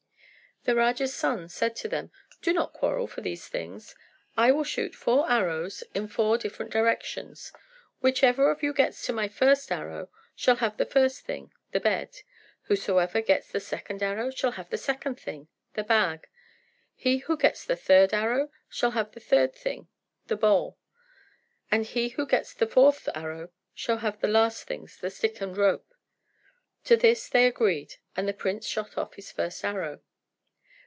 The Raja's son said to them, "Do not quarrel for these things. I will shoot four arrows in four different directions. Whichever of you gets to my first arrow, shall have the first thing the bed. Whosoever gets to the second arrow, shall have the second thing the bag. He who gets to the third arrow, shall have the third thing the bowl. And he who gets to the fourth arrow, shall have the last things the stick and rope." To this they agreed, and the prince shot off his first arrow.